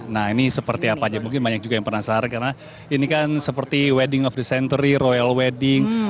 nah ini seperti apa aja mungkin banyak juga yang penasaran karena ini kan seperti wedding of the centery royal wedding